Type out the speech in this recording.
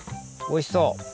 おいしそう。